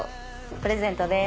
プレゼントです。